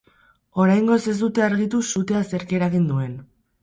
Oraingoz ez dute argitu sutea zerk eragin duen.